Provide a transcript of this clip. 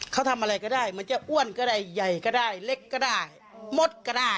เขาทำอะไรก็ได้มันจะอ้วนก็ได้ใหญ่ก็ได้เล็กก็ได้มดก็ได้